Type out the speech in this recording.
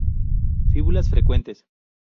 Fíbulas frecuentes.